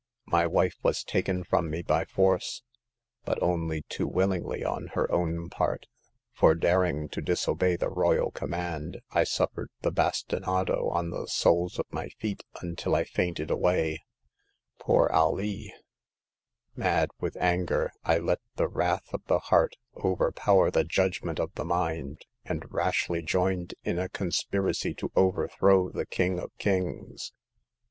My wife was taken from me by force, but only too willingly on her ow^n part. For daring to dis obey the royal command I suffered the bastinado on the soles of my feet until I fainted away^*' The Tenth Customer. 261 " Poor Alee !'*" Mad with anger, I let the wrath of the heart overpower the judgment of the mind, and rashly joined in a conspiracy to overthrow the King of Kings.